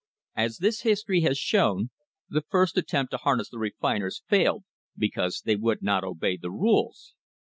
As this history has shown, the first attempt to harness the refiners failed because they would not obey the rules.